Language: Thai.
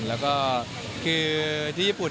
ต้องเอาไปสื่อสารกับคนญี่ปุ่น